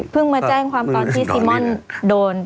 มาแจ้งความตอนที่ซีม่อนโดน